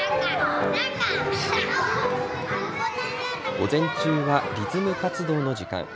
午前中はリズム活動の時間。